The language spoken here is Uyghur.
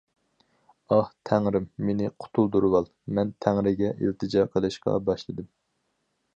‹‹ ئاھ تەڭرىم، مېنى قۇتۇلدۇرۇۋال›› مەن تەڭرىگە ئىلتىجا قىلىشقا باشلىدىم.